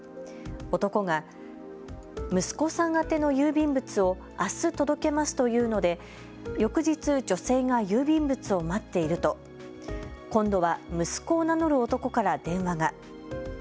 男が息子さん宛ての郵便物をあす届けますと言うので翌日、女性が郵便物を待っていると今度は息子を名乗る男から電話が。